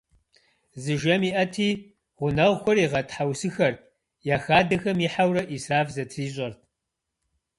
Зы жэм иӀэти, гъунэгъухэр игъэтхьэусыхэрт: я хадэхэм ихьэурэ Ӏисраф зэтрищӀэрт.